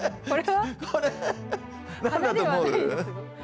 これ何だと思う？